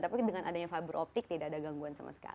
tapi dengan adanya fiberoptik tidak ada gangguan sama sekali